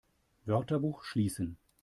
Wörterbuch schließen!